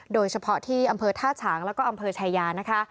โดยเฉพาะที่อำเภอท่าฉางแล้วก็อำเภอชายานะคะ